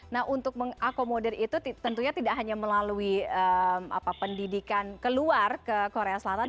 nah untuk mengakomodir itu tentunya tidak hanya melalui pendidikan keluar ke korea selatan